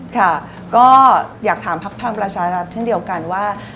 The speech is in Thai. ค่ะก็อยากถามภักดิ์ภังประชาธิ์ทั้งเดียวกันว่า